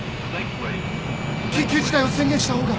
緊急事態を宣言した方が。